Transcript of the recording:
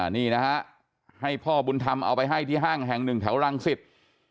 นี่นะฮะให้พ่อบุญธรรมเอาไปให้ที่ห้างแห่งหนึ่งแถวรังสิต